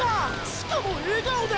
しかも笑顔で！！